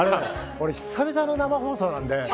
俺、久々の生放送なんで。